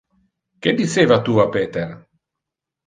Que diceva tu a Peter?